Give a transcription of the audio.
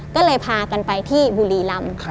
ก็เลยพากันไปที่บุรีรำ